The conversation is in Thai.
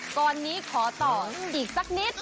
ตอนนี้ขอต่ออีกสักนิด